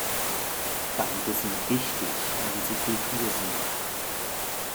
Beide sind wichtig, weil sie Kultur sind.